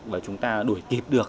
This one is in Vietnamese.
và chúng ta đuổi kịp được